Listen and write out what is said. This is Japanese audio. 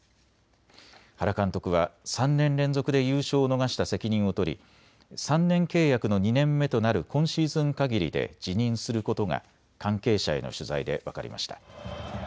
原監督は３年連続で優勝を逃した責任を取り、３年契約の２年目となる今シーズンかぎりで辞任することが関係者への取材で分かりました。